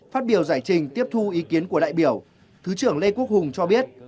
phát biểu giải trình tiếp thu ý kiến của đại biểu thứ trưởng lê quốc hùng cho biết